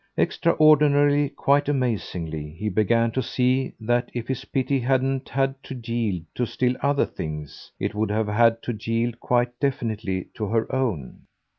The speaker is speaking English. Extraordinarily, quite amazingly, he began to see that if his pity hadn't had to yield to still other things it would have had to yield quite definitely to her own.